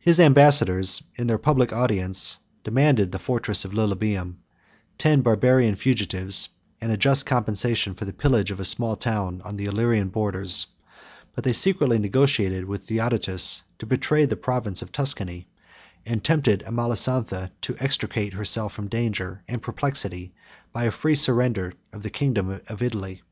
His ambassadors, in their public audience, demanded the fortress of Lilybæum, ten Barbarian fugitives, and a just compensation for the pillage of a small town on the Illyrian borders; but they secretly negotiated with Theodatus to betray the province of Tuscany, and tempted Amalasontha to extricate herself from danger and perplexity, by a free surrender of the kingdom of Italy.